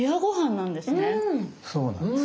そうなんです。